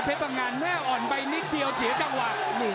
เพ็ปปะงันอ่อนไปนิดเดียวเสียกังหวัก